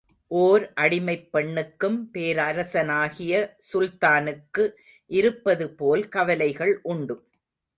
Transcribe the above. ஓர் அடிமைப் பெண்ணுக்கும் பேரரசனாகிய சுல்தானுக்கு இருப்பது போல் கவலைகள் உண்டு.